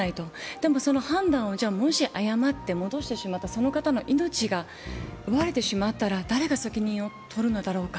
でも、その判断をもし誤って戻してしまったその方の命が奪われてしまったら誰が責任を取るのだろうか。